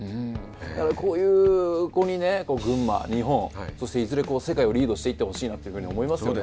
こういう子にね群馬日本そしていずれ世界をリードしていってほしいなというふうに思いますね。